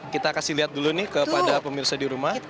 kita kasih lihat dulu nih kepada pemirsa di rumah